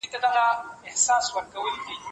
زده کړه د هرې ښځې او نر حق دی.